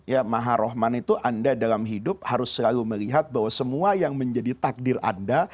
ya maha rohman itu anda dalam hidup harus selalu melihat bahwa semua yang menjadi takdir anda